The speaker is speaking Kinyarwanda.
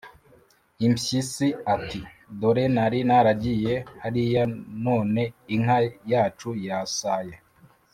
impyisi ati: "Dore nari naragiye hariya none inka yacu yasaye